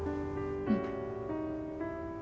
うん。